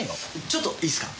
ちょっといいですか？